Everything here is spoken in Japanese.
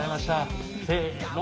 せの。